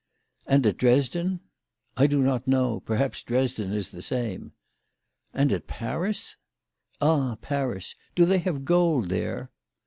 "And at Dresden?" " I do not know. Perhaps Dresden is the same." " And at Paris ?"" Ah, Paris ! Do they have gold there